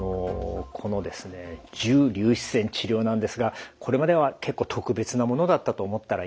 このですね重粒子線治療なんですがこれまでは結構特別なものだったと思ったらいいんでしょうか？